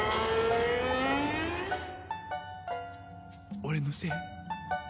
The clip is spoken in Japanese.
俺のせい？